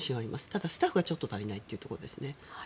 ただ、スタッフがちょっと足りないというところですね。